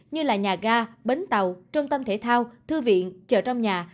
như là nhà ga bến tàu trung tâm thể thao thư viện chợ trong nhà